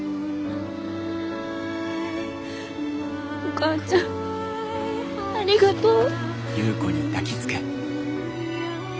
お母ちゃんありがとう。